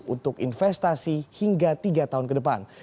untuk investasi hingga tiga tahun ke depan